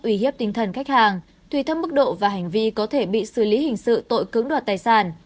uy hiếp tinh thần khách hàng tùy thăm mức độ và hành vi có thể bị xử lý hình sự tội cưỡng đoạt tài sản